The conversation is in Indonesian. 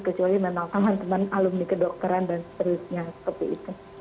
kecuali memang teman teman alumni kedokteran dan seterusnya seperti itu